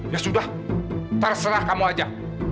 ya sudah terserah kamu aja